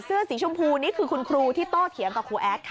เสื้อสีชมพูนี่คือคุณครูที่โตเถียงกับครูแอดค่ะ